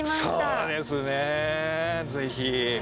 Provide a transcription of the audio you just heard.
そうですね、ぜひ。